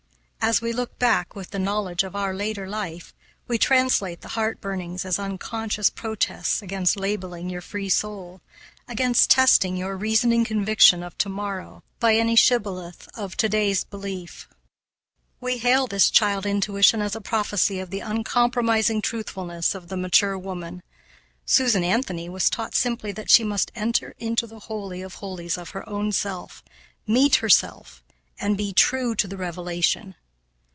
As we look back with the knowledge of our later life, we translate the heart burnings as unconscious protests against labeling your free soul, against testing your reasoning conviction of to morrow by any shibboleth of to day's belief. We hail this child intuition as a prophecy of the uncompromising truthfulness of the mature woman. Susan Anthony was taught simply that she must enter into the holy of holies of her own self, meet herself, and be true to the revelation.